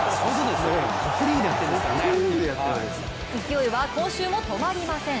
勢いは今週も止まりません。